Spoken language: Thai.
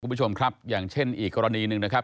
คุณผู้ชมครับอย่างเช่นอีกกรณีหนึ่งนะครับ